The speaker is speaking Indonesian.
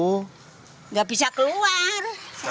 tidak bisa keluar